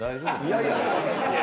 いやいや。